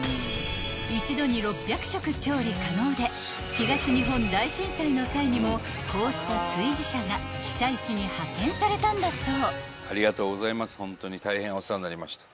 ［東日本大震災の際にもこうした炊事車が被災地に派遣されたんだそう］